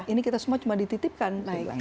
ini kita semua cuma dititipkan